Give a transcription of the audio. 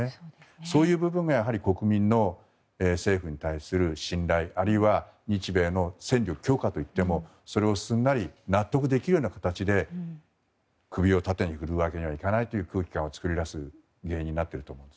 そういう部分が国民の政府に対する信頼あるいは日米の戦力強化といってもそれを、すんなり納得できるような形で首を縦に振るわけにはいかないという空気感を作り出す原因になっていると思います。